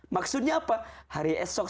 maksudnya apa hari esok